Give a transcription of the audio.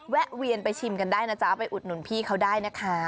แวะเวียนไปชิมกันได้นะจ๊ะไปอุดหนุนพี่เขาได้นะคะ